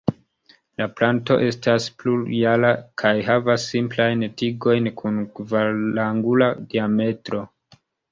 La planto estas plurjara kaj havas simplajn tigojn kun kvarangula diametro.